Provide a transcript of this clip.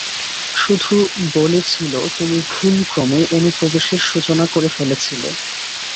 শুধু বলেছিল তুমি ভুলক্রমে অনুপ্রবেশের সূচনা করে ফেলেছিলে।